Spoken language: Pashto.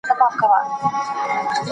زه کولای سم قلم استعمالوم کړم!؟